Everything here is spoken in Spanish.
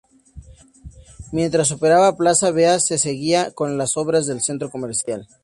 Mientras operaba Plaza Vea se seguía con las obras del centro comercial.